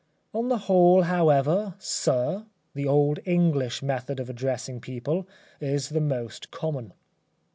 ŌĆØ On the whole, however, ŌĆ£Sir, ŌĆØ the old English method of addressing people is the most common.